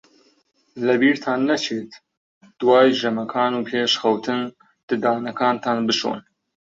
لەبیرتان نەچێت دوای ژەمەکان و پێش خەوتن ددانەکانتان بشۆن.